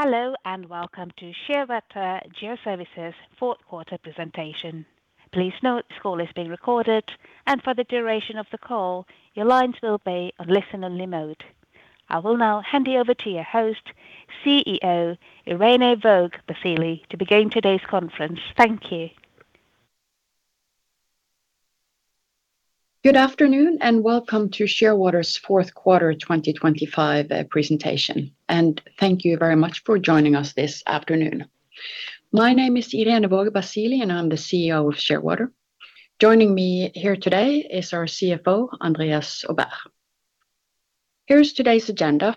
Hello, welcome to Shearwater GeoServices Fourth Quarter Presentation. Please note this call is being recorded, and for the duration of the call, your lines will be on listen-only mode. I will now hand you over to your host, CEO, Irene Waage Basili, to begin today's conference. Thank you. Good afternoon, and welcome to Shearwater's Fourth Quarter 2025 Presentation. Thank you very much for joining us this afternoon. My name is Irene Waage Basili, and I'm the CEO of Shearwater. Joining me here today is our CFO, Andreas Aubert. Here's today's agenda,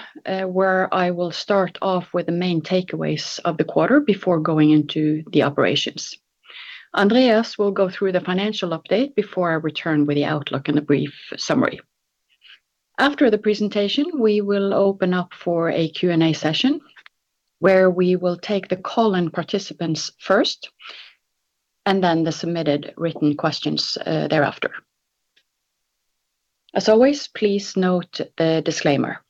where I will start off with the main takeaways of the quarter before going into the operations. Andreas will go through the financial update before I return with the outlook and a brief summary. After the presentation, we will open up for a Q&A session, where we will take the call-in participants first, and then the submitted written questions thereafter. As always, please note the disclaimer.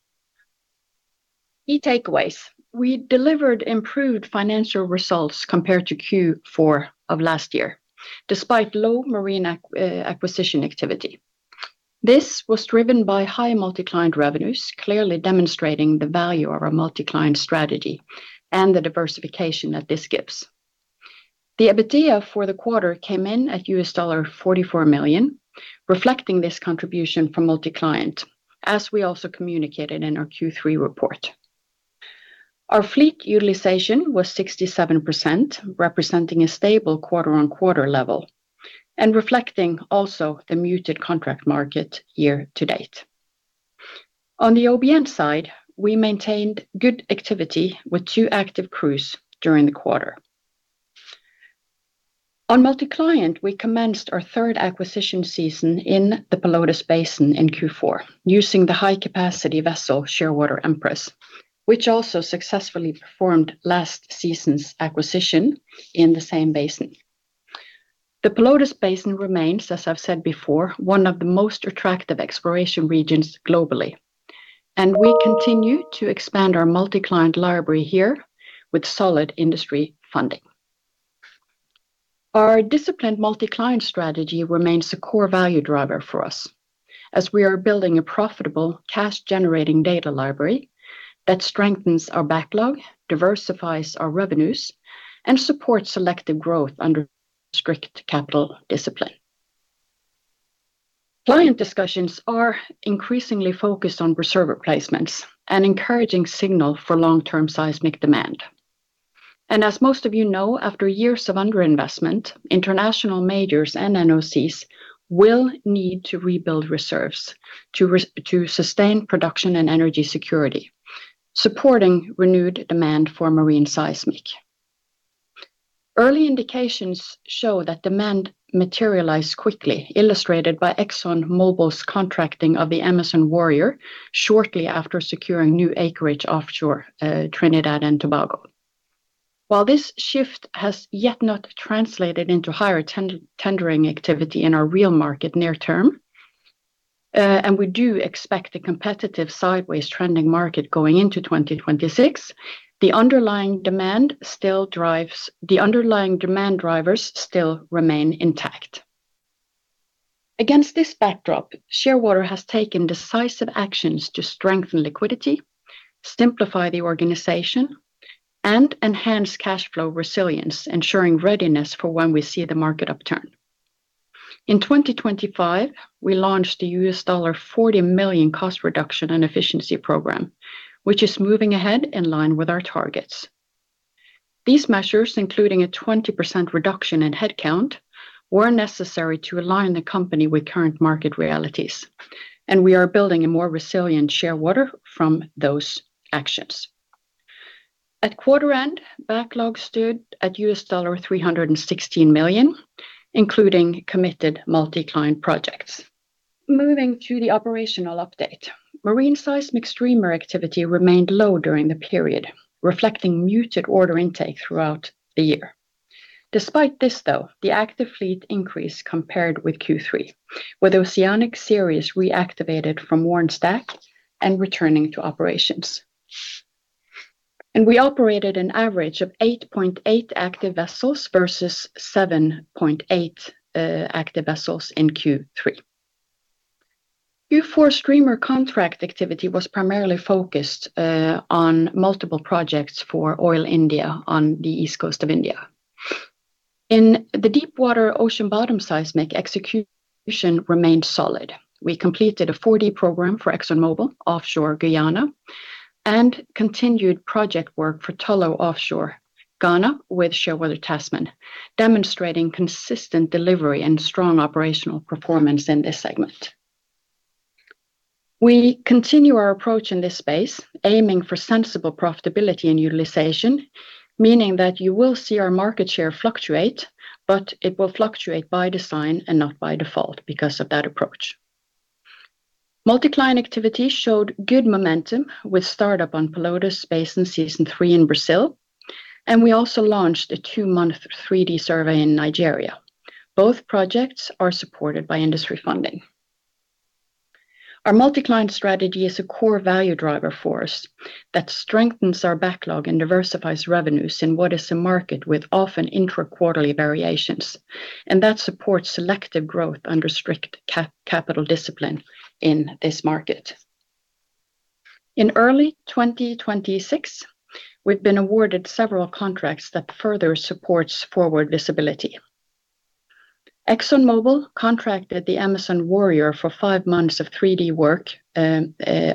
Key takeaways. We delivered improved financial results compared to Q4 of last year, despite low marine acquisition activity. This was driven by high multi-client revenues, clearly demonstrating the value of our multi-client strategy and the diversification that this gives. The EBITDA for the quarter came in at $44 million, reflecting this contribution from multi-client, as we also communicated in our Q3 report. Our fleet utilization was 67%, representing a stable quarter-on-quarter level and reflecting also the muted contract market year to date. On the OBN side, we maintained good activity with two active crews during the quarter. On multi-client, we commenced our third acquisition season in the Pelotas Basin in Q4, using the high-capacity vessel, Shearwater Empress, which also successfully performed last season's acquisition in the same basin. The Pelotas Basin remains, as I've said before, one of the most attractive exploration regions globally, and we continue to expand our multi-client library here with solid industry funding. Our disciplined multi-client strategy remains a core value driver for us, as we are building a profitable cash-generating data library that strengthens our backlog, diversifies our revenues, and supports selective growth under strict capital discipline. Client discussions are increasingly focused on reserve replacements and encouraging signal for long-term seismic demand. As most of you know, after years of underinvestment, international majors and NOCs will need to rebuild reserves to sustain production and energy security, supporting renewed demand for marine seismic. Early indications show that demand materialized quickly, illustrated by ExxonMobil's contracting of the Amazon Warrior shortly after securing new acreage offshore, Trinidad and Tobago. While this shift has yet not translated into higher tendering activity in our real market near term, and we do expect a competitive sideways trending market going into 2026, the underlying demand drivers still remain intact. Against this backdrop, Shearwater has taken decisive actions to strengthen liquidity, simplify the organization, and enhance cash flow resilience, ensuring readiness for when we see the market upturn. In 2025, we launched a $40 million cost reduction and efficiency program, which is moving ahead in line with our targets. These measures, including a 20% reduction in headcount, were necessary to align the company with current market realities, and we are building a more resilient Shearwater from those actions. At quarter end, backlog stood at $316 million, including committed multi-client projects. Moving to the operational update. Marine seismic streamer activity remained low during the period, reflecting muted order intake throughout the year. Despite this, though, the active fleet increased compared with Q3, with Oceanic Sirius reactivated from warm stack and returning to operations. We operated an average of 8.8 active vessels versus 7.8 active vessels in Q3. Q4 streamer contract activity was primarily focused on multiple projects for Oil India on the east coast of India. In the deep water ocean bottom seismic execution remained solid. We completed a 4D program for ExxonMobil offshore Guyana and continued project work for Tullow Oil offshore Ghana with Shearwater Tasman, demonstrating consistent delivery and strong operational performance in this segment. We continue our approach in this space, aiming for sensible profitability and utilization, meaning that you will see our market share fluctuate, but it will fluctuate by design and not by default because of that approach. Multi-client activity showed good momentum with startup on Pelotas Basin Season 3 in Brazil. We also launched a two-month 3D survey in Nigeria. Both projects are supported by industry funding. Our multi-client strategy is a core value driver for us that strengthens our backlog and diversifies revenues in what is a market with often intra-quarterly variations. That supports selective growth under strict capital discipline in this market. In early 2026, we've been awarded several contracts that further supports forward visibility. ExxonMobil contracted the Amazon Warrior for five months of 3D work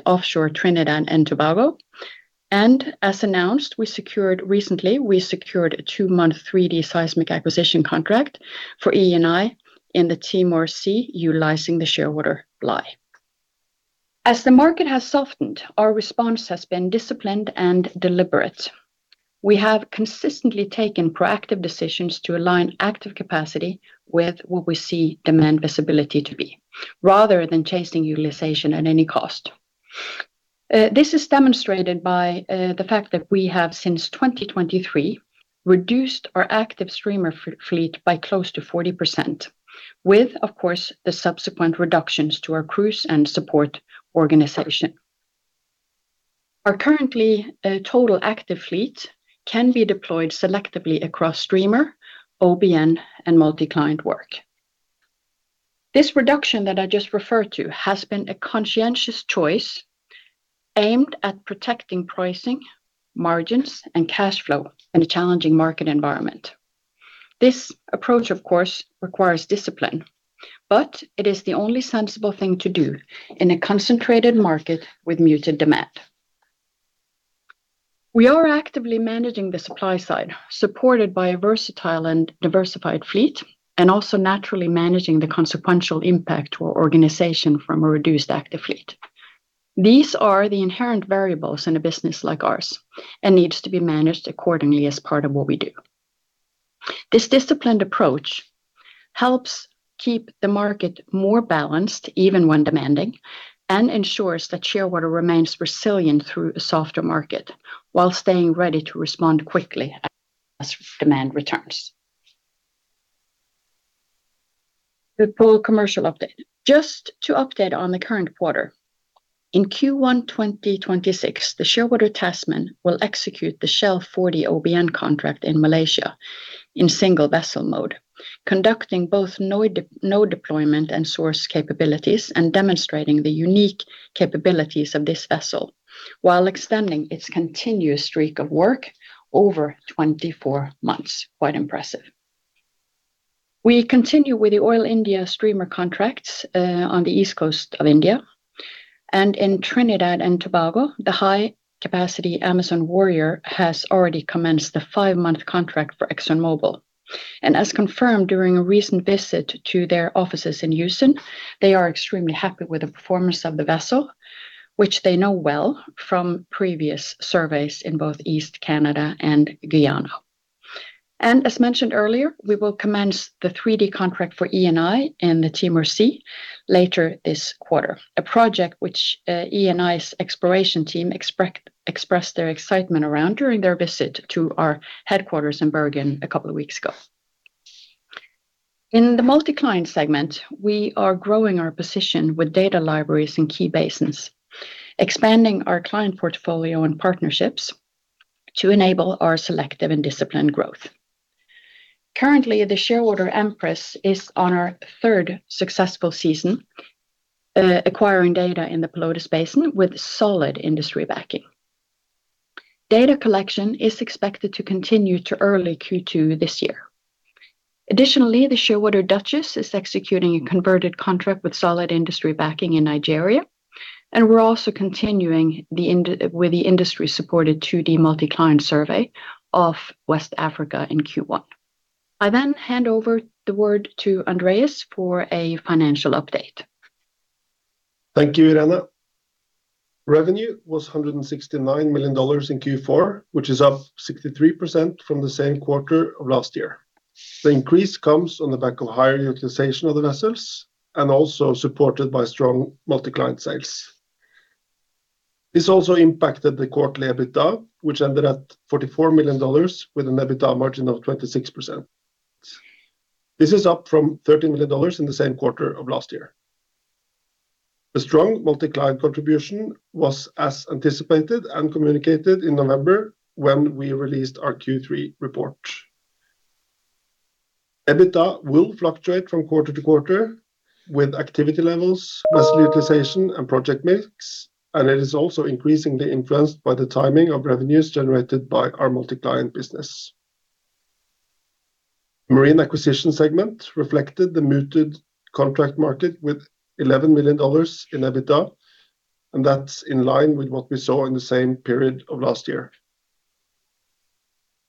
offshore Trinidad and Tobago. As announced, we secured recently, we secured a two-month 3D seismic acquisition contract for Eni in the Timor Sea, utilizing the Shearwater Bly. The market has softened, our response has been disciplined and deliberate. We have consistently taken proactive decisions to align active capacity with what we see demand visibility to be, rather than chasing utilization at any cost. This is demonstrated by the fact that we have, since 2023, reduced our active streamer fleet by close to 40%, with, of course, the subsequent reductions to our crews and support organization. Our currently total active fleet can be deployed selectively across streamer, OBN, and multi-client work. This reduction that I just referred to has been a conscientious choice aimed at protecting pricing, margins, and cash flow in a challenging market environment. This approach, of course, requires discipline, but it is the only sensible thing to do in a concentrated market with muted demand. We are actively managing the supply side, supported by a versatile and diversified fleet, and also naturally managing the consequential impact to our organization from a reduced active fleet. These are the inherent variables in a business like ours and needs to be managed accordingly as part of what we do. This disciplined approach helps keep the market more balanced, even when demanding, and ensures that Shearwater remains resilient through a softer market while staying ready to respond quickly as demand returns. The full commercial update. Just to update on the current quarter, in Q1 2026, the Shearwater Tasman will execute the Shell 4D OBN contract in Malaysia in single vessel mode, conducting both node deployment and source capabilities and demonstrating the unique capabilities of this vessel, while extending its continuous streak of work over 24 months. Quite impressive. We continue with the Oil India streamer contracts on the east coast of India, and in Trinidad and Tobago, the high-capacity Amazon Warrior has already commenced the five-month contract for ExxonMobil. As confirmed during a recent visit to their offices in Houston, they are extremely happy with the performance of the vessel, which they know well from previous surveys in both East Canada and Guyana. As mentioned earlier, we will commence the 3D contract for Eni in the Timor Sea later this quarter, a project which Eni's exploration team expressed their excitement around during their visit to our headquarters in Bergen a couple of weeks ago. In the multi-client segment, we are growing our position with data libraries in key basins, expanding our client portfolio and partnerships to enable our selective and disciplined growth. Currently, the Shearwater Empress is on our third successful season acquiring data in the Pelotas Basin with solid industry backing. Data collection is expected to continue to early Q2 this year. Additionally, the Shearwater Duchess is executing a converted contract with solid industry backing in Nigeria, and we're also continuing with the industry-supported 2D multi-client survey off West Africa in Q1. I hand over the word to Andreas for a financial update. Thank you, Irene. Revenue was $169 million in Q4, which is up 63% from the same quarter of last year. The increase comes on the back of higher utilization of the vessels and also supported by strong multi-client sales. This also impacted the quarterly EBITDA, which ended at $44 million, with an EBITDA margin of 26%. This is up from $13 million in the same quarter of last year. The strong multi-client contribution was as anticipated and communicated in November when we released our Q3 report. EBITDA will fluctuate from quarter to quarter with activity levels, vessel utilization, and project mix, and it is also increasingly influenced by the timing of revenues generated by our multi-client business. Marine acquisition segment reflected the muted contract market with $11 million in EBITDA. That's in line with what we saw in the same period of last year.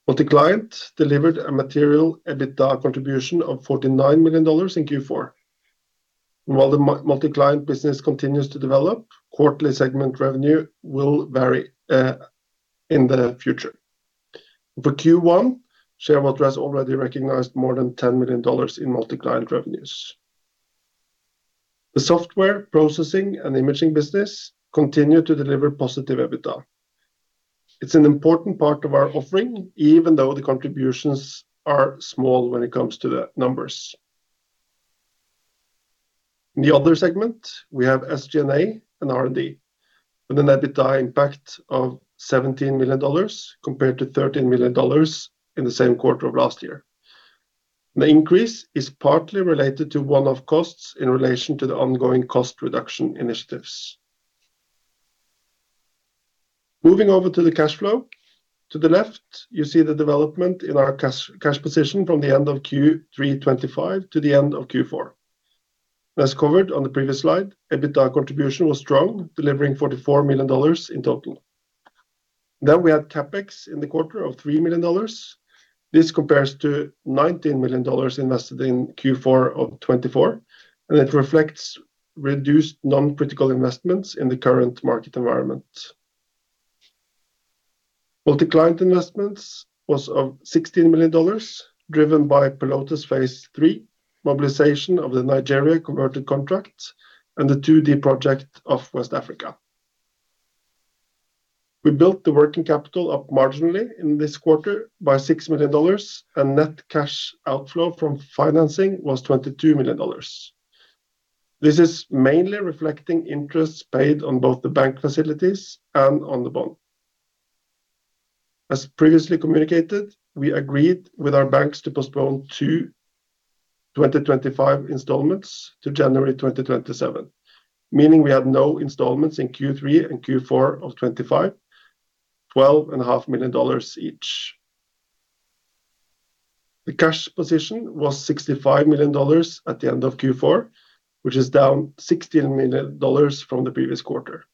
Multi-client delivered a material EBITDA contribution of $49 million in Q4. While the multi-client business continues to develop, quarterly segment revenue will vary in the future. For Q1, Shearwater has already recognized more than $10 million in multi-client revenues. The software, processing, and imaging business continued to deliver positive EBITDA. It's an important part of our offering, even though the contributions are small when it comes to the numbers. The other segment, we have SG&A and R&D, with an EBITDA impact of $17 million compared to $13 million in the same quarter of last year. The increase is partly related to one-off costs in relation to the ongoing cost reduction initiatives. Moving over to the cash flow. To the left, you see the development in our cash position from the end of Q3 2025 to the end of Q4. As covered on the previous slide, EBITDA contribution was strong, delivering $44 million in total. We had CapEx in the quarter of $3 million. This compares to $19 million invested in Q4 of 2024, and it reflects reduced non-critical investments in the current market environment. Multi-client investments was of $16 million, driven by Pelotas phase III, mobilization of the Nigeria converted contract, and the 2D project of West Africa. We built the working capital up marginally in this quarter by $6 million, and net cash outflow from financing was $22 million. This is mainly reflecting interests paid on both the bank facilities and on the bond. As previously communicated, we agreed with our banks to postpone two 2025 installments to January 2027, meaning we had no installments in Q3 and Q4 of 2025, twelve and a half million dollars each. The cash position was $65 million at the end of Q4, which is down $16 million from the previous quarter.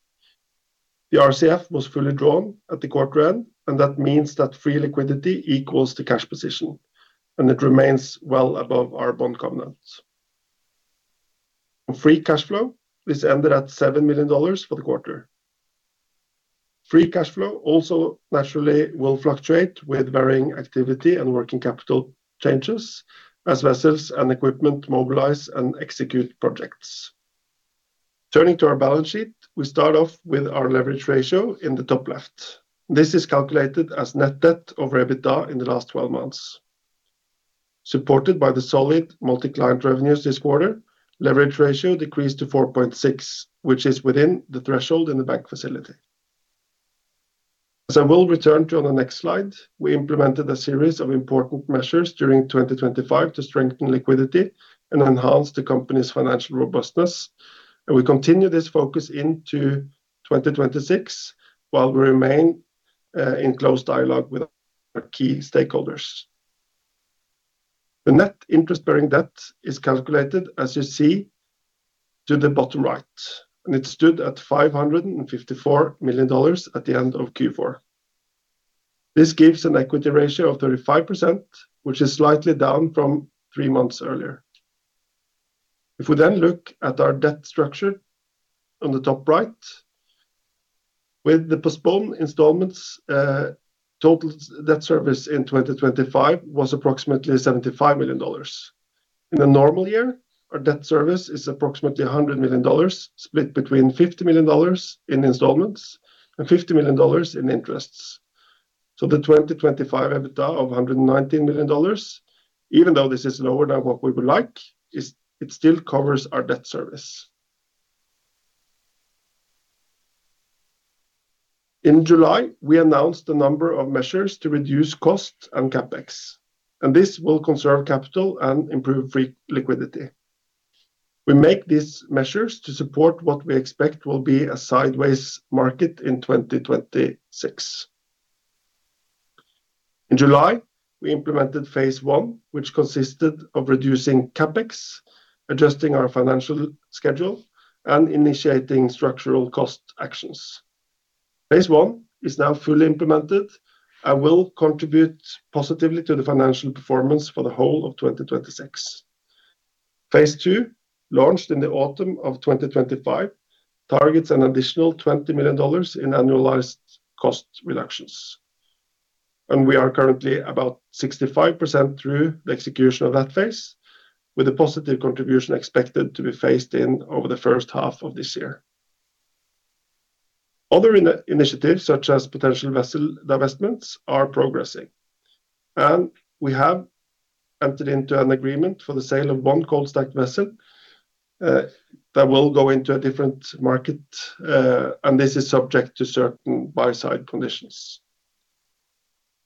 The RCF was fully drawn at the quarter end, and that means that free liquidity equals the cash position, and it remains well above our bond covenants. Free cash flow is ended at $7 million for the quarter. Free cash flow also naturally will fluctuate with varying activity and working capital changes as vessels and equipment mobilize and execute projects. Turning to our balance sheet, we start off with our leverage ratio in the top left. This is calculated as net debt over EBITDA in the last 12 months. Supported by the solid multi-client revenues this quarter, leverage ratio decreased to 4.6, which is within the threshold in the bank facility. As I will return to on the next slide, we implemented a series of important measures during 2025 to strengthen liquidity and enhance the company's financial robustness. We continue this focus into 2026 while we remain in close dialogue with our key stakeholders. The net interest-bearing debt is calculated, as you see to the bottom right. It stood at $554 million at the end of Q4. This gives an equity ratio of 35%, which is slightly down from three months earlier. If we look at our debt structure on the top right, with the postponed installments, total debt service in 2025 was approximately $75 million. In a normal year, our debt service is approximately $100 million, split between $50 million in installments and $50 million in interests. The 2025 EBITDA of $119 million, even though this is lower than what we would like, it still covers our debt service. In July, we announced a number of measures to reduce cost and CapEx. This will conserve capital and improve free liquidity. We make these measures to support what we expect will be a sideways market in 2026. In July, we implemented phase I, which consisted of reducing CapEx, adjusting our financial schedule, and initiating structural cost actions. Phase I is now fully implemented and will contribute positively to the financial performance for the whole of 2026. Phase II, launched in the autumn of 2025, targets an additional $20 million in annualized cost reductions. We are currently about 65% through the execution of that phase, with a positive contribution expected to be phased in over the first half of this year. Other initiatives, such as potential vessel divestments, are progressing. We have entered into an agreement for the sale of one cold-stack vessel that will go into a different market. This is subject to certain buy-side conditions.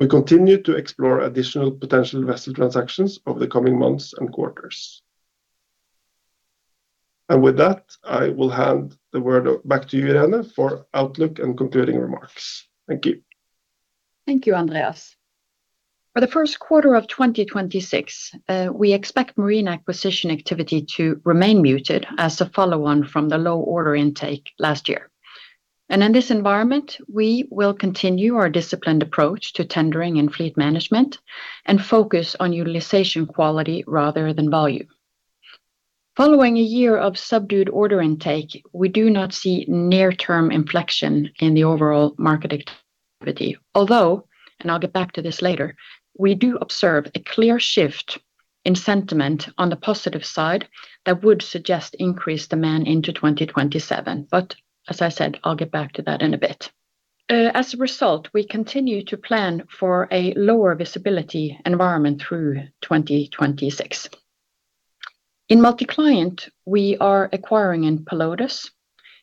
We continue to explore additional potential vessel transactions over the coming months and quarters. With that, I will hand the word back to you, Irene, for outlook and concluding remarks. Thank you. Thank you, Andreas. For the first quarter of 2026, we expect marine acquisition activity to remain muted as a follow-on from the low order intake last year. In this environment, we will continue our disciplined approach to tendering and fleet management and focus on utilization quality rather than volume. Following a year of subdued order intake, we do not see near-term inflection in the overall market activity. Although, I'll get back to this later, we do observe a clear shift in sentiment on the positive side, that would suggest increased demand into 2027. As I said, I'll get back to that in a bit. As a result, we continue to plan for a lower visibility environment through 2026. In multi-client, we are acquiring in Pelotas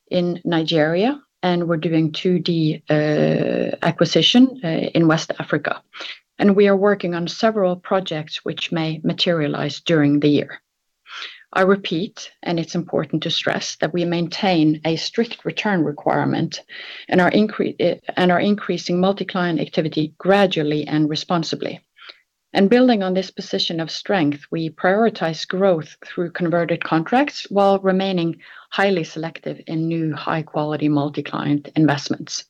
in Nigeria, we're doing 2D acquisition in West Africa, and we are working on several projects which may materialize during the year. I repeat, and it's important to stress, that we maintain a strict return requirement and are increasing multi-client activity gradually and responsibly. Building on this position of strength, we prioritize growth through converted contracts while remaining highly selective in new, high-quality multi-client investments.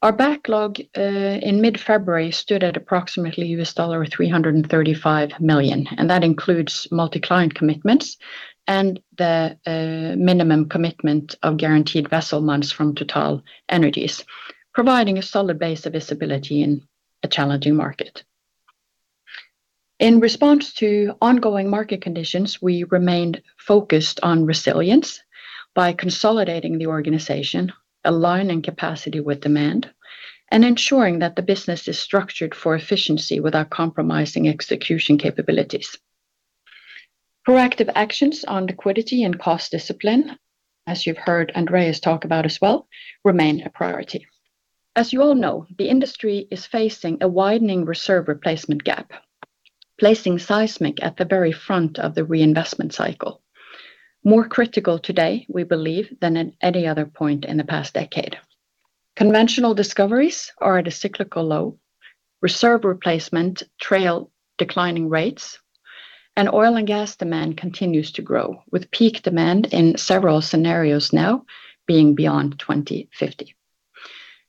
Our backlog in mid-February stood at approximately $335 million, and that includes multi-client commitments and the minimum commitment of guaranteed vessel months from TotalEnergies, providing a solid base of visibility in a challenging market. In response to ongoing market conditions, we remained focused on resilience by consolidating the organization, aligning capacity with demand, and ensuring that the business is structured for efficiency without compromising execution capabilities. Proactive actions on liquidity and cost discipline, as you've heard Andreas talk about as well, remain a priority. As you all know, the industry is facing a widening reserve replacement gap, placing seismic at the very front of the reinvestment cycle. More critical today, we believe, than at any other point in the past decade. Conventional discoveries are at a cyclical low. Reserve replacement trail declining rates and oil and gas demand continues to grow, with peak demand in several scenarios now being beyond 2050.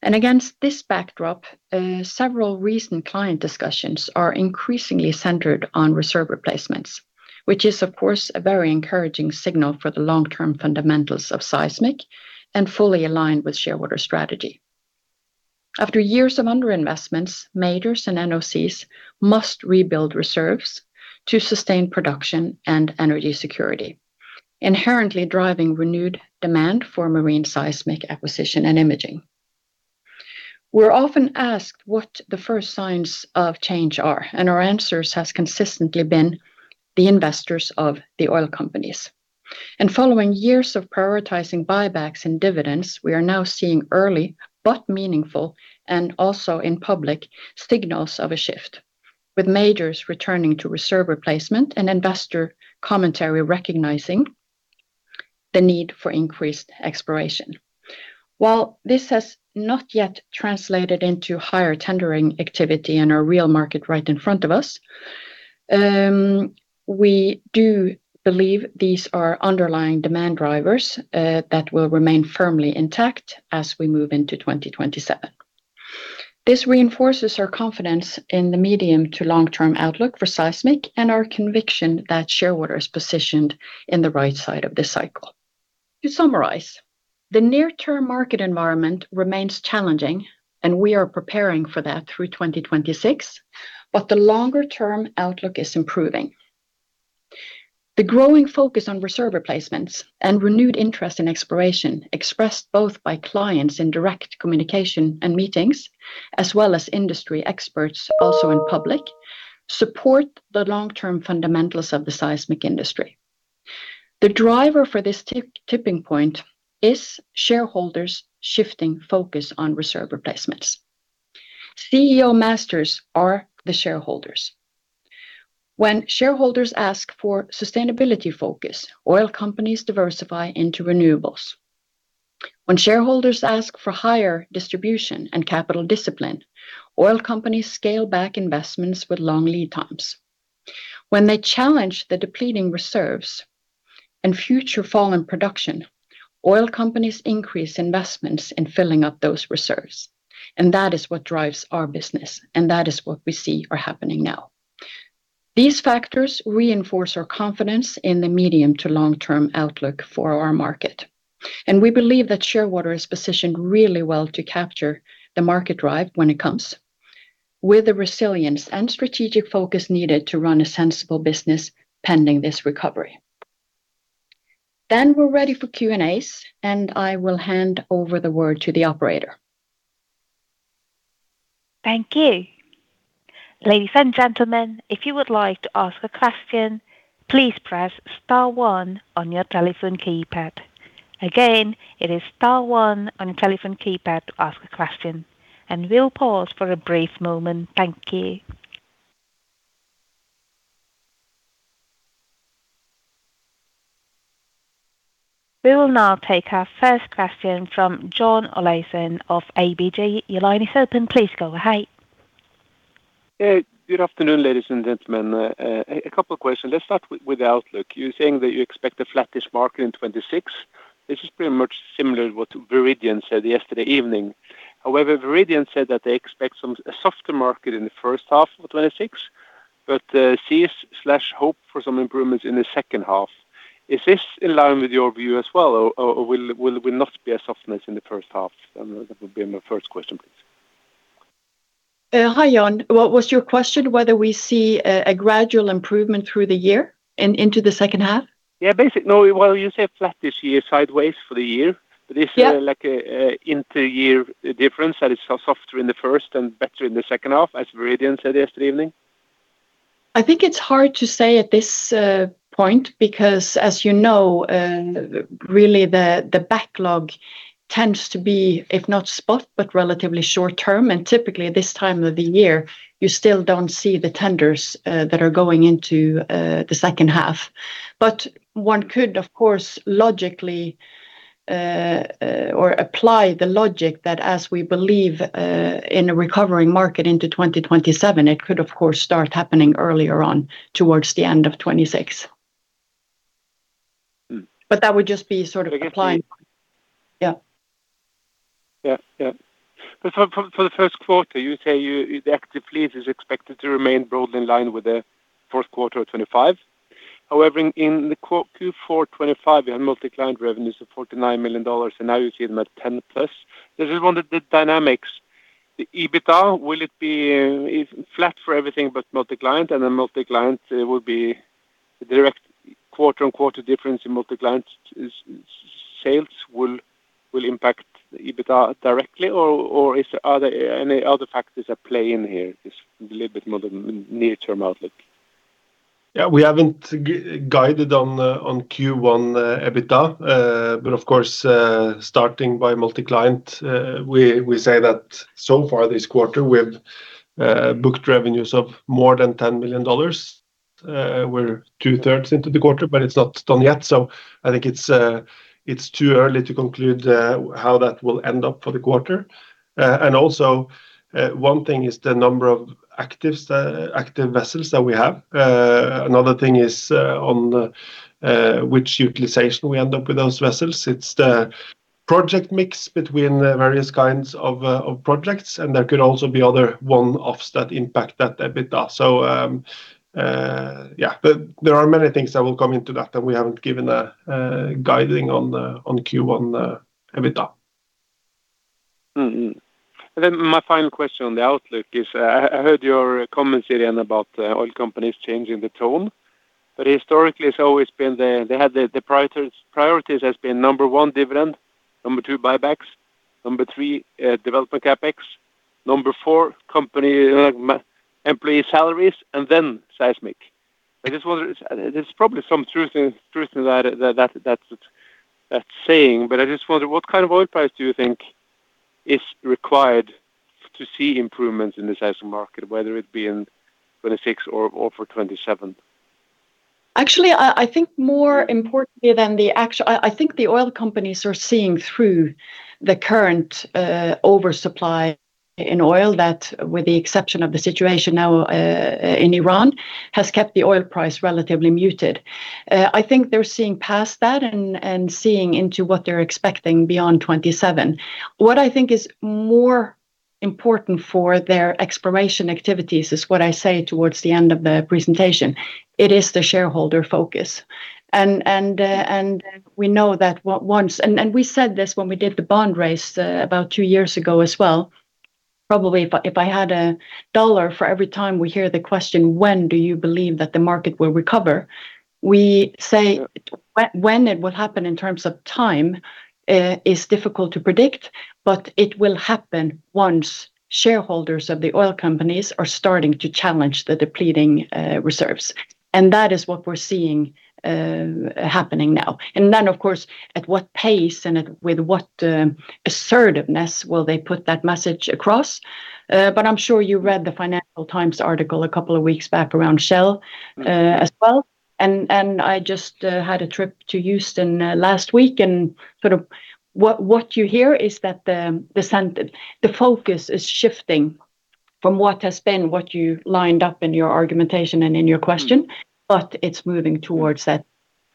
Against this backdrop, several recent client discussions are increasingly centered on reserve replacements, which is, of course, a very encouraging signal for the long-term fundamentals of seismic and fully aligned with Shearwater strategy. After years of underinvestments, majors and NOCs must rebuild reserves to sustain production and energy security, inherently driving renewed demand for marine seismic acquisition and imaging. We're often asked what the first signs of change are, and our answers has consistently been the investors of the oil companies. Following years of prioritizing buybacks and dividends, we are now seeing early but meaningful, and also in public, signals of a shift, with majors returning to reserve replacement and investor commentary recognizing the need for increased exploration. While this has not yet translated into higher tendering activity in our real market right in front of us, we do believe these are underlying demand drivers that will remain firmly intact as we move into 2027. This reinforces our confidence in the medium to long-term outlook for seismic and our conviction that Shearwater is positioned in the right side of this cycle. To summarize, the near-term market environment remains challenging, and we are preparing for that through 2026, but the longer-term outlook is improving. The growing focus on reserve replacements and renewed interest in exploration, expressed both by clients in direct communication and meetings, as well as industry experts also in public, support the long-term fundamentals of the seismic industry. The driver for this tipping point is shareholders shifting focus on reserve replacements. CEO masters are the shareholders. When shareholders ask for sustainability focus, oil companies diversify into renewables. When shareholders ask for higher distribution and capital discipline, oil companies scale back investments with long lead times. When they challenge the depleting reserves and future fall in production, oil companies increase investments in filling up those reserves, and that is what drives our business, and that is what we see are happening now. These factors reinforce our confidence in the medium to long-term outlook for our market. We believe that Shearwater is positioned really well to capture the market drive when it comes, with the resilience and strategic focus needed to run a sensible business pending this recovery. We're ready for Q&As, I will hand over the word to the operator. Thank you. Ladies and gentlemen, if you would like to ask a question, please press star one on your telephone keypad. Again, it is star one on your telephone keypad to ask a question, and we'll pause for a brief moment. Thank you. We will now take our first question from John Olaisen of ABG. Your line is open. Please go ahead. Good afternoon, ladies and gentlemen. A couple of questions. Let's start with the outlook. You're saying that you expect a flattish market in 2026. This is pretty much similar to what Viridien said yesterday evening. However, Viridien said that they expect a softer market in the first half of 2026, but sees slash hope for some improvements in the second half. Is this in line with your view as well, or will not be a softness in the first half? That would be my first question, please. Hi, John. What was your question? Whether we see a gradual improvement through the year and into the second half? Yeah, no, well, you said flat this year, sideways for the year. Yeah. Is there like a inter year difference that is so softer in the first and better in the second half, as Viridien said yesterday evening? I think it's hard to say at this point, because as you know, really the backlog tends to be, if not spot, but relatively short term. Typically, this time of the year, you still don't see the tenders that are going into the second half. One could, of course, logically or apply the logic that as we believe in a recovering market into 2027, it could, of course, start happening earlier on towards the end of 2026. Mm. That would just be sort of applying. Okay. Yeah. For the first quarter, you say you, the active fleet is expected to remain broadly in line with the first quarter of 2025. However, in the Q4 2025, you had multi-client revenues of $49 million, and now you see them at $10 million+. This is one of the dynamics. The EBITDA, will it be flat for everything but multi-client, and then multi-client will be the direct quarter-on-quarter difference in multi-client sales will impact the EBITDA directly, or are there any other factors at play in here? Just a little bit more the near-term outlook. We haven't guided on the, on Q1 EBITDA. Of course, starting by multi-client, we say that so far this quarter, we have booked revenues of more than $10 million. We're two-thirds into the quarter, but it's not done yet, so I think it's too early to conclude how that will end up for the quarter. Also, one thing is the number of active vessels that we have. Another thing is on the, which utilization we end up with those vessels. It's the project mix between the various kinds of projects, and there could also be other one-offs that impact that EBITDA. There are many things that will come into that, and we haven't given a guiding on the, on Q1 EBITDA. Mm-hmm. My final question on the outlook is, I heard your comments earlier about the oil companies changing the tone. Historically, it's always been they had the priorities has been, one, dividend, two, buybacks, three, development CapEx, four, employee salaries, and then seismic. I just wonder, there's probably some truth in that saying, but I just wonder, what kind of oil price do you think is required to see improvements in the seismic market, whether it be in 2026 or for 2027? Actually, I think the oil companies are seeing through the current oversupply in oil that, with the exception of the situation now, in Iran, has kept the oil price relatively muted. I think they're seeing past that and seeing into what they're expecting beyond 2027. What I think is more important for their exploration activities is what I say towards the end of the presentation. It is the shareholder focus. We know that once, and we said this when we did the bond raise, about two years ago as well, probably if I had $1 for every time we hear the question, "When do you believe that the market will recover?" We say, "When it will happen in terms of time, is difficult to predict, but it will happen once shareholders of the oil companies are starting to challenge the depleting reserves." That is what we're seeing happening now. Then, of course, at what pace and at with what assertiveness will they put that message across? I'm sure you read the Financial Times article a couple of weeks back around Shell as well. I just had a trip to Houston last week, and sort of what you hear is that the scent, the focus is shifting from what has been, what you lined up in your argumentation and in your question but it's moving towards that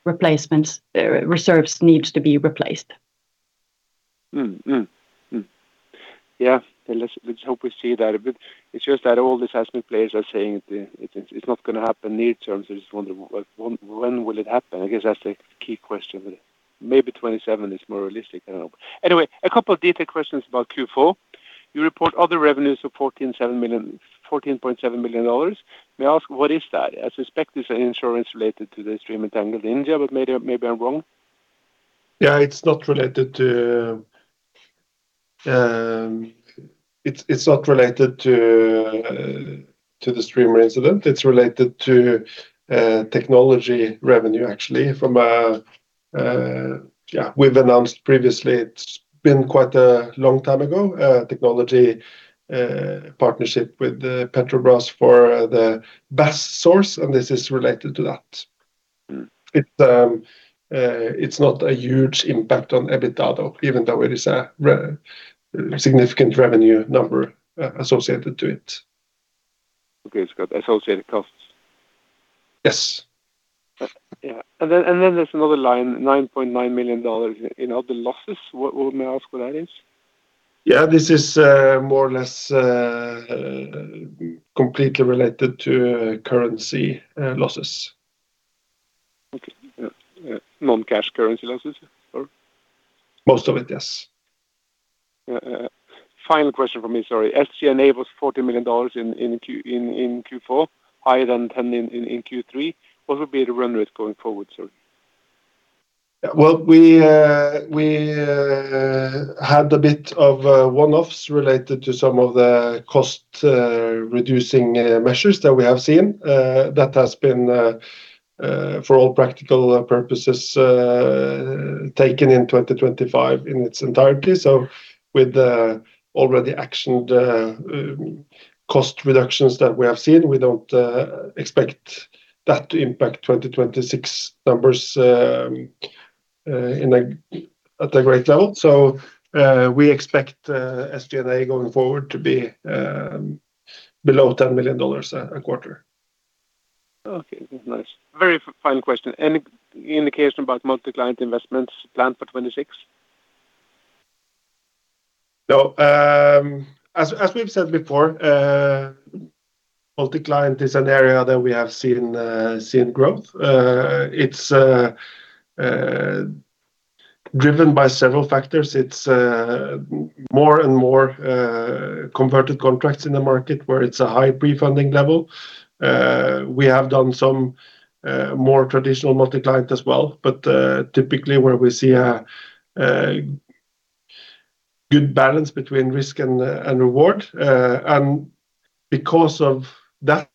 replacements, reserves needs to be replaced. Mm-hmm. Mm-hmm. Yeah, let's hope we see that. It's just that all the seismic players are saying it's not going to happen near term, so I just wonder, when will it happen? I guess that's the key question, but maybe 27 is more realistic, I don't know. A couple of detailed questions about Q4. You report other revenues of $14.7 million, $14.7 million. May I ask, what is that? I suspect it's an insurance related to the streamer tangle in India, but maybe I'm wrong. Yeah, it's not related to. It's not related to the streamer incident. It's related to technology revenue, actually, from we've announced previously, it's been quite a long time ago, a technology partnership with the Petrobras for the BASS source, and this is related to that. Mm. It's not a huge impact on EBITDA, though, even though it is a significant revenue number, associated to it. It's got associated costs. Yes. Yeah. There's another line, $9.9 million in other losses. What may I ask what that is? This is more or less completely related to currency losses. Okay. Yeah, yeah. Non-cash currency losses, or? Most of it, yes. Yeah, final question for me, sorry. SG&A was $40 million in Q4, higher than $10 in Q3. What would be the run rate going forward, sir? Well, we had a bit of one-offs related to some of the cost reducing measures that we have seen. That has been for all practical purposes taken in 2025 in its entirety. With the already actioned cost reductions that we have seen, we don't expect that to impact 2026 numbers at a great level. We expect SG&A going forward to be below $10 million a quarter. Okay, nice. Very final question. Any indication about multi-client investments planned for 2026? As we've said before, multi-client is an area that we have seen growth. It's driven by several factors. It's more and more converted contracts in the market where it's a high pre-funding level. We have done some more traditional multi-client as well, but typically where we see a good balance between risk and reward. Because of that,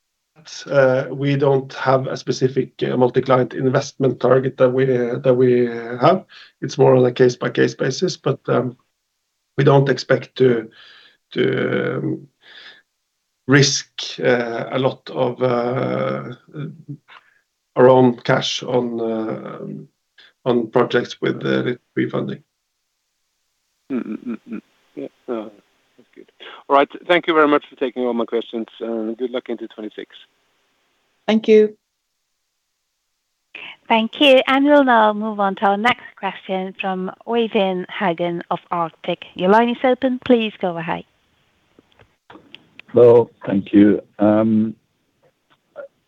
we don't have a specific multi-client investment target that we have. It's more on a case-by-case basis, but we don't expect to risk a lot of our own cash on projects with pre-funding. Yeah. That's good. All right. Thank you very much for taking all my questions. Good luck into 2026. Thank you. Thank you. We'll now move on to our next question from Øyvind Hagen of Arctic. Your line is open. Please go ahead. Hello. Thank you.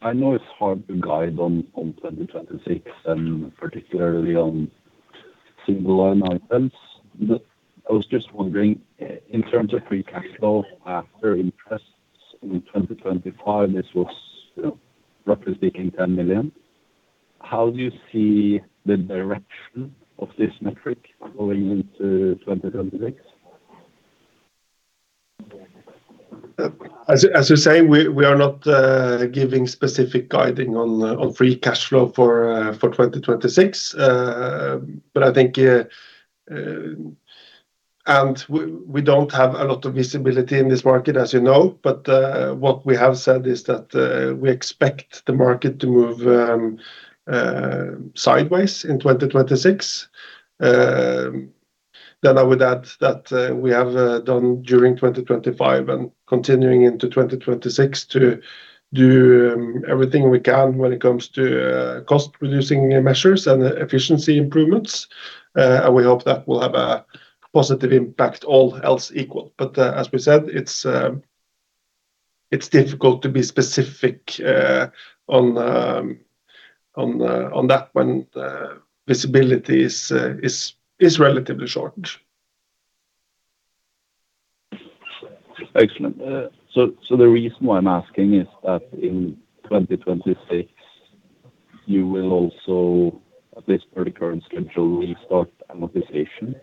I know it's hard to guide on 2026 and particularly on single-line items, but I was just wondering, in terms of free cash flow after interest in 2025, this was, roughly speaking, $10 million. How do you see the direction of this metric going into 2026? As you say, we are not giving specific guiding on free cash flow for 2026. I think. We don't have a lot of visibility in this market, as you know, but what we have said is that we expect the market to move sideways in 2026. I would add that we have done during 2025 and continuing into 2026, to do everything we can when it comes to cost-reducing measures and efficiency improvements. We hope that will have a positive impact, all else equal. As we said, it's difficult to be specific on that one. Visibility is relatively short. Excellent. The reason why I'm asking is that in 2026, you will also, at least per the current schedule, restart amortization.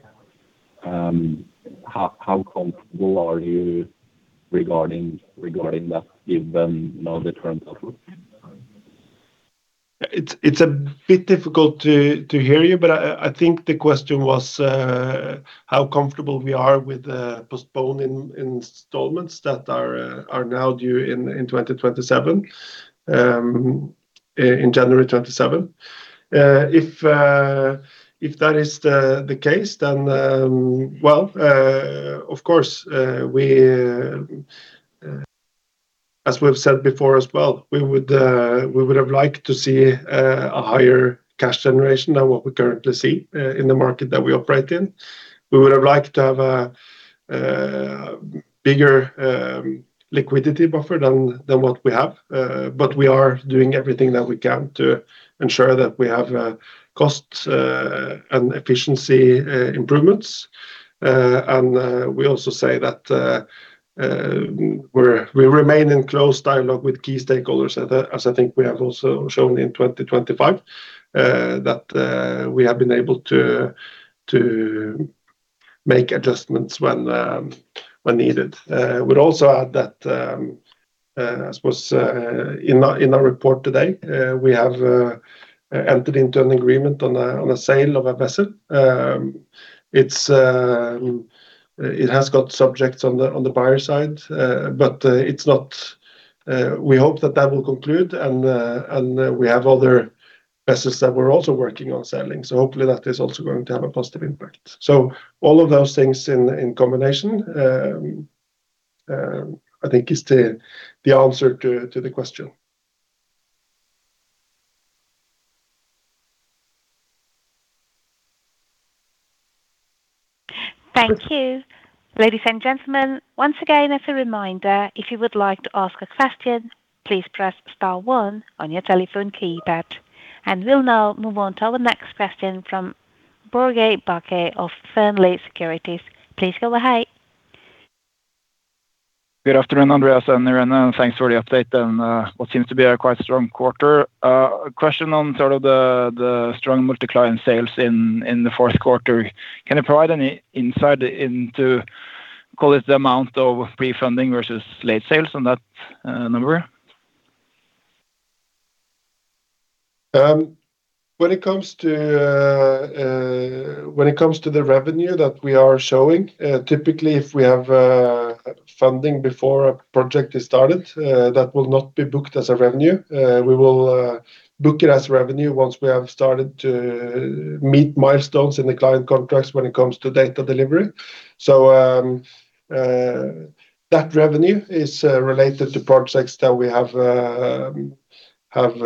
How comfortable are you regarding that, given now the current outlook? It's a bit difficult to hear you, but I think the question was, how comfortable we are with postponing installments that are now due in 2027, in January 2027. If that is the case, then, well, of course, we, as we've said before as well, we would, we would have liked to see a higher cash generation than what we currently see in the market that we operate in. We would have liked to have a bigger liquidity buffer than what we have. But we are doing everything that we can to ensure that we have cost and efficiency improvements. We also say that we remain in close dialogue with key stakeholders, as I think we have also shown in 2025. That we have been able to make adjustments when needed. We'd also add that I suppose in our report today, we have entered into an agreement on a sale of a vessel. It's it has got subjects on the buyer side, it's not. We hope that that will conclude, and we have other vessels that we're also working on selling. Hopefully, that is also going to have a positive impact. All of those things in combination, I think is the answer to the question. Thank you. Ladies and gentlemen, once again, as a reminder, if you would like to ask a question, please press star one on your telephone keypad. We'll now move on to our next question from Børge Johansen of Fearnley Securities. Please go ahead. Good afternoon, Andreas and Irene, thanks for the update and what seems to be a quite strong quarter. A question on sort of the strong multi-client sales in the fourth quarter. Can you provide any insight into, call it, the amount of pre-funding versus late sales on that number? When it comes to the revenue that we are showing, typically, if we have funding before a project is started, that will not be booked as a revenue. We will book it as revenue once we have started to meet milestones in the client contracts when it comes to data delivery. That revenue is related to projects that we have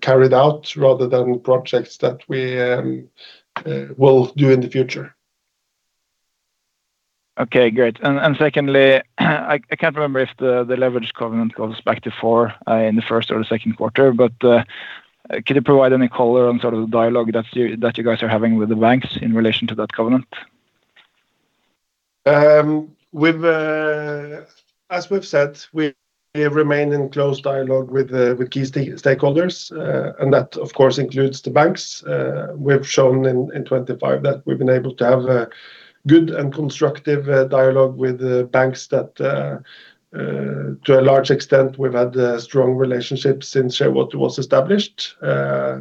carried out, rather than projects that we will do in the future. Okay, great. Secondly, I can't remember if the leverage covenant goes back to four in the first or the second quarter. Can you provide any color on sort of the dialogue that you guys are having with the banks in relation to that covenant? We've, as we've said, we remain in close dialogue with key stakeholders, and that, of course, includes the banks. We've shown in 2025 that we've been able to have a good and constructive dialogue with the banks that to a large extent, we've had strong relationships since what was established. Other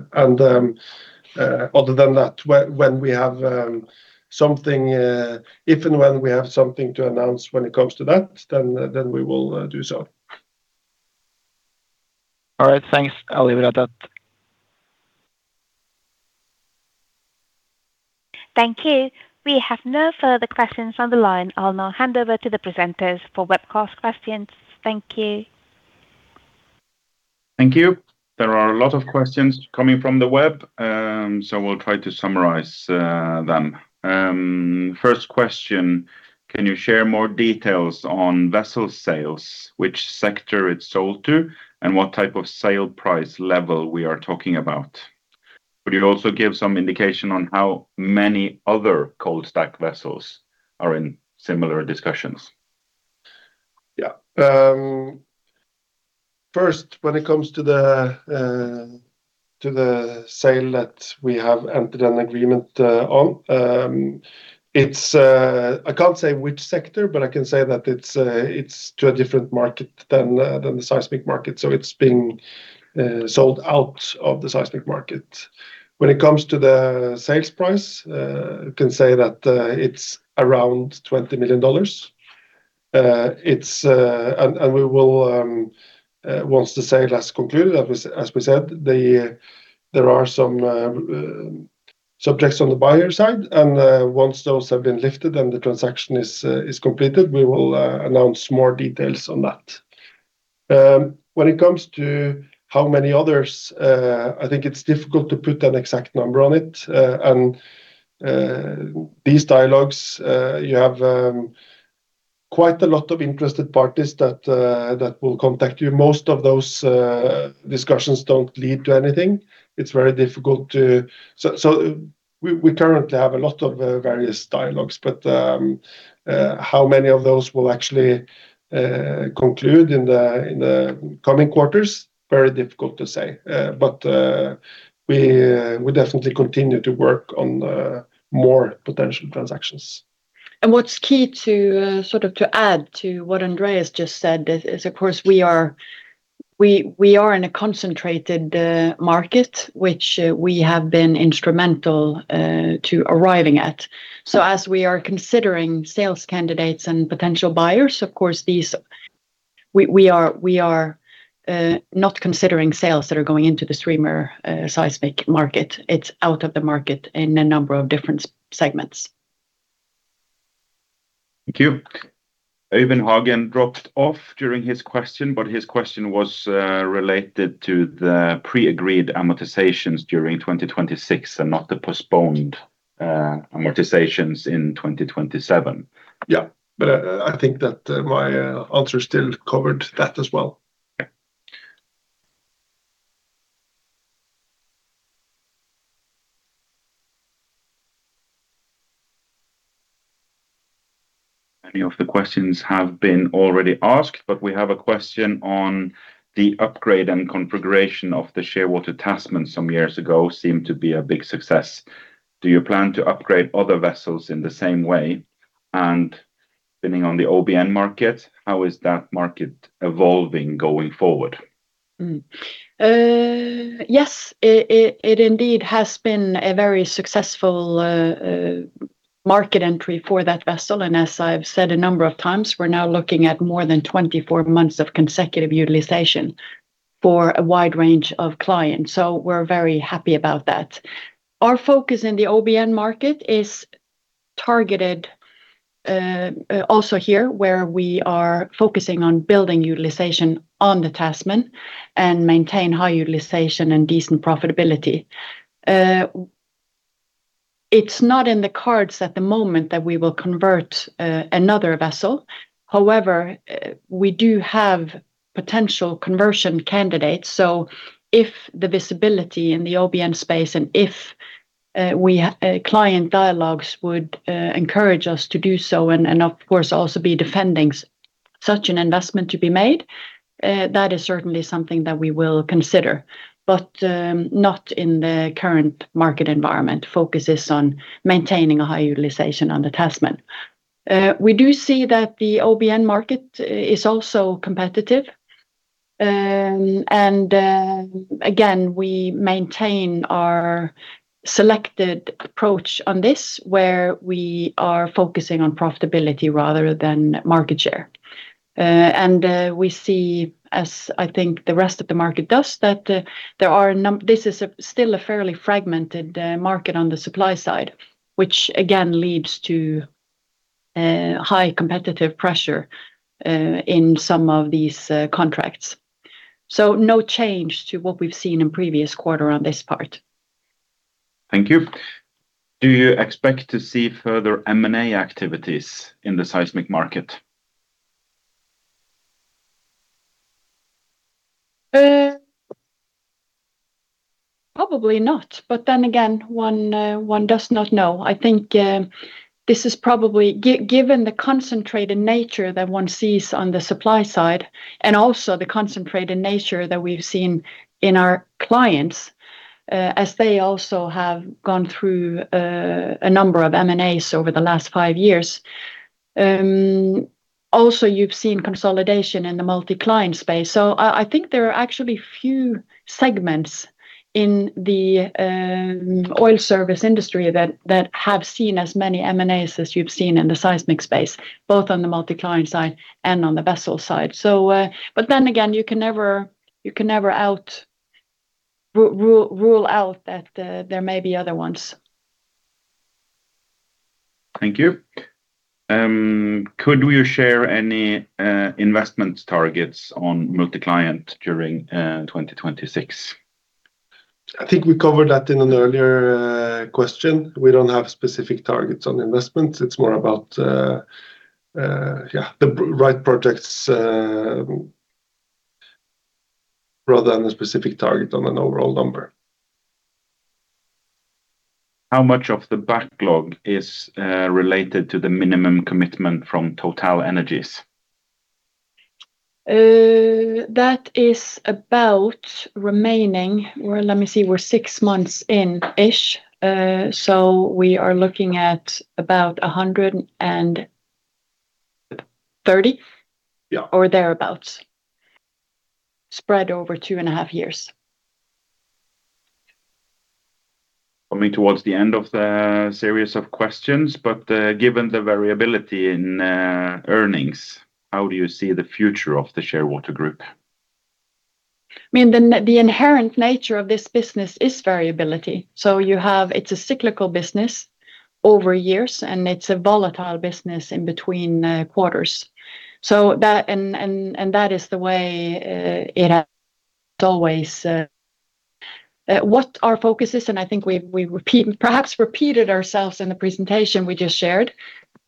than that, when we have something, if and when we have something to announce when it comes to that, then we will do so. All right. Thanks. I'll leave it at that. Thank you. We have no further questions on the line. I'll now hand over to the presenters for webcast questions. Thank you. Thank you. There are a lot of questions coming from the web, we'll try to summarize them. First question: Can you share more details on vessel sales, which sector it's sold to, and what type of sale price level we are talking about? Would you also give some indication on how many other cold-stack vessels are in similar discussions? Yeah. First, when it comes to the sale that we have entered an agreement on, it's, I can't say which sector, but I can say that it's to a different market than the seismic market. It's being sold out of the seismic market. When it comes to the sales price, I can say that it's around $20 million. It's. We will, once the sale has concluded, as we said, there are some subjects on the buyer side, and once those have been lifted and the transaction is completed, we will announce more details on that. When it comes to how many others, I think it's difficult to put an exact number on it. These dialogues, you have, quite a lot of interested parties that will contact you. Most of those, discussions don't lead to anything. We currently have a lot of, various dialogues, but, how many of those will actually, conclude in the coming quarters? Very difficult to say. We definitely continue to work on, more potential transactions. What's key to sort of to add to what Andreas just said, is, of course, we are in a concentrated market, which we have been instrumental to arriving at. As we are considering sales candidates and potential buyers, of course, we are not considering sales that are going into the streamer seismic market. It's out of the market in a number of different segments. Thank you. Øyvind Hagen dropped off during his question, but his question was related to the pre-agreed amortizations during 2026 and not the postponed amortizations in 2027. Yeah, I think that my answer still covered that as well. Yeah. Many of the questions have been already asked, but we have a question on the upgrade and configuration of the Shearwater Tasman some years ago seemed to be a big success. Do you plan to upgrade other vessels in the same way? Depending on the OBN market, how is that market evolving going forward? Mm. yes, it, it indeed has been a very successful market entry for that vessel, and as I've said a number of times, we're now looking at more than 24 months of consecutive utilization for a wide range of clients, so we're very happy about that. Our focus in the OBN market is targeted also here where we are focusing on building utilization on the Tasman and maintain high utilization and decent profitability. It's not in the cards at the moment that we will convert another vessel. However, we do have potential conversion candidates, so if the visibility in the OBN space and if we client dialogues would encourage us to do so, and of course, also be defending such an investment to be made, that is certainly something that we will consider. Not in the current market environment, focus is on maintaining a high utilization on the Tasman. We do see that the OBN market is also competitive. Again, we maintain our selected approach on this, where we are focusing on profitability rather than market share. We see, as I think the rest of the market does, that this is a still a fairly fragmented market on the supply side, which again, leads to high competitive pressure in some of these contracts. No change to what we've seen in previous quarter on this part. Thank you. Do you expect to see further M&A activities in the seismic market? Probably not. Then again, one does not know. I think this is probably given the concentrated nature that one sees on the supply side, and also the concentrated nature that we've seen in our clients, as they also have gone through a number of M&As over the last five years. Also, you've seen consolidation in the multi-client space. I think there are actually few segments in the oil service industry that have seen as many M&As as you've seen in the seismic space, both on the multi-client side and on the vessel side. Then again, you can never rule out that there may be other ones. Thank you. Could you share any investment targets on multi-client during 2026? I think we covered that in an earlier question. We don't have specific targets on investment. It's more about, yeah, the right projects, rather than a specific target on an overall number. How much of the backlog is related to the minimum commitment from TotalEnergies? That is about remaining, well, let me see, we're six months in-ish. We are looking at about 130. Yeah Or thereabout, spread over two and a half years. Coming towards the end of the series of questions, given the variability in earnings, how do you see the future of the Shearwater Group? I mean, the inherent nature of this business is variability. It's a cyclical business over years, and it's a volatile business in between quarters. That, and that is the way it has always. What our focus is, and I think we've perhaps repeated ourselves in the presentation we just shared.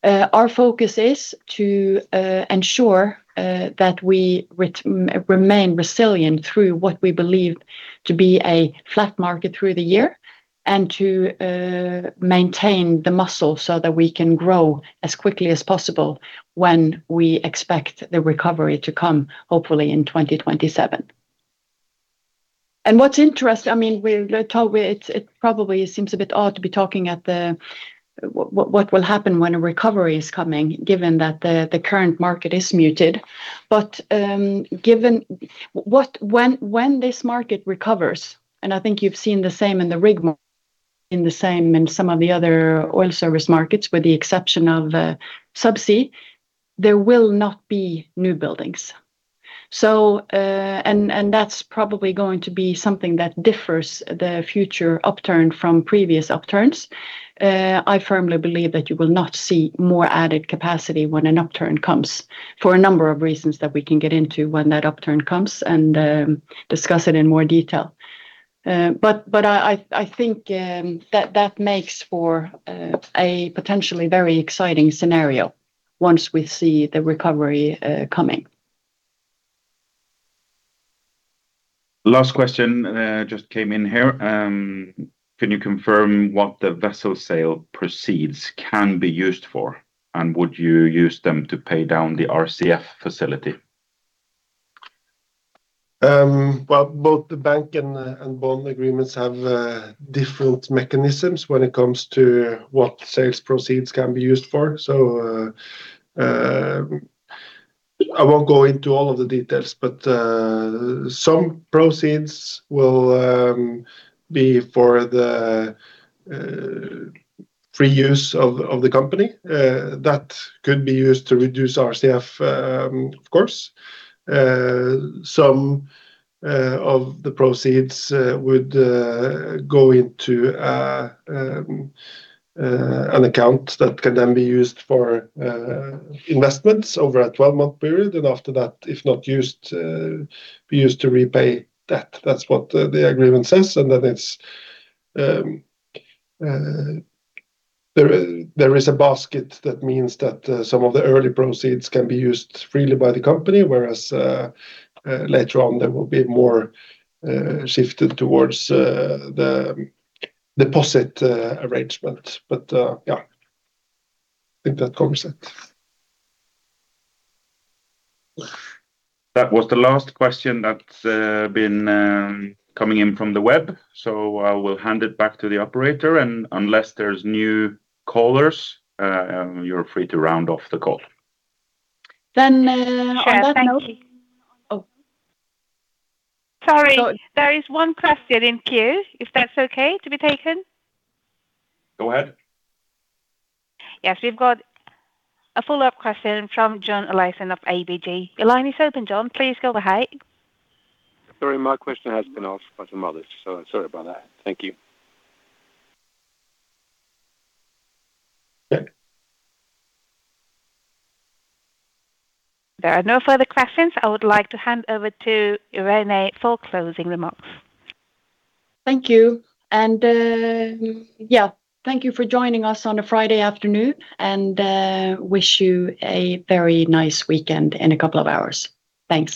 Our focus is to ensure that we remain resilient through what we believe to be a flat market through the year, and to maintain the muscle so that we can grow as quickly as possible when we expect the recovery to come, hopefully in 2027. What's interesting, I mean, we're told it probably seems a bit odd to be talking at the what will happen when a recovery is coming, given that the current market is muted. Given what, when this market recovers, and I think you've seen the same in the rig market, and the same in some of the other oil service markets, with the exception of, subsea, there will not be new buildings. That's probably going to be something that differs the future upturn from previous upturns. I firmly believe that you will not see more added capacity when an upturn comes, for a number of reasons that we can get into when that upturn comes, and, discuss it in more detail. I think that makes for a potentially very exciting scenario once we see the recovery coming. Last question, just came in here. Can you confirm what the vessel sale proceeds can be used for? Would you use them to pay down the RCF facility? Well, both the bank and bond agreements have different mechanisms when it comes to what sales proceeds can be used for. I won't go into all of the details, but some proceeds will be for the free use of the company. That could be used to reduce RCF, of course. Some of the proceeds would go into an account that can then be used for investments over a 12-month period, and after that, if not used, be used to repay debt. That's what the agreement says, and then there is a basket that means that some of the early proceeds can be used freely by the company, whereas later on, there will be more shifted towards the deposit arrangement. Yeah, I think that covers it. That was the last question that's been coming in from the web. I will hand it back to the operator, and unless there's new callers, you're free to round off the call. Then, uh, on that note- Sure, thank you. Oh, sorry. There is one question in queue, if that's okay to be taken? Go ahead. Yes, we've got a follow-up question from John Olaisen of ABG. Your line is open, John. Please go ahead. Sorry, my question has been asked by some others, so sorry about that. Thank you. Okay. If there are no further questions, I would like to hand over to Irene for closing remarks. Thank you. Yeah, thank you for joining us on a Friday afternoon, and wish you a very nice weekend in a couple of hours. Thanks.